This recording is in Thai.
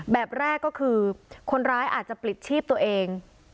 แบบแรกก็คือคนร้ายอาจจะปลิดชีพตัวเอง